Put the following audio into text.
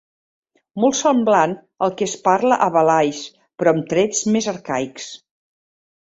Molt semblant al que es parla a Valais, però amb trets més arcaics.